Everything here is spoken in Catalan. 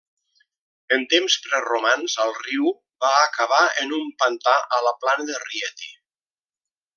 En temps preromans al riu va acabar en un pantà a la plana de Rieti.